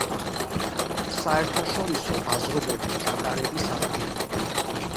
საერთაშორისო ბაზრობების ჩატარების ადგილი.